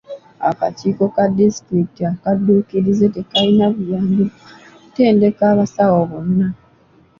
Akakiiko ka disitulikiti akadduukirize tekaalina buyambi bumala okutendeka abasawo bonna.